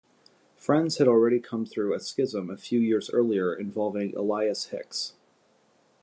Friends had already come through a schism a few years earlier involving Elias Hicks.